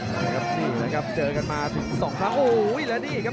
นะครับนี่นะครับเจอกันมา๒ครั้งโอ้โหแล้วนี่ครับ